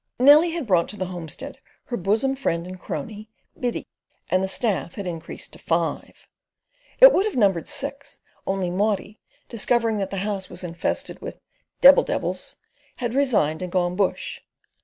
Nellie had brought to the homestead her bosom friend and crony, Biddy, and the staff had increased to five. It would have numbered six, only Maudie, discovering that the house was infested with debbil debbils, had resigned and "gone bush."